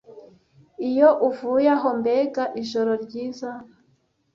iyo uvuye aho mbega ijoro ryiza